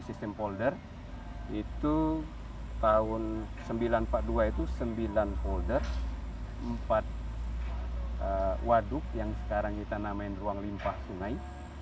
sistem folder itu tahun seribu sembilan ratus empat puluh dua itu sembilan folder empat waduk yang sekarang kita namain ruang limpah sungai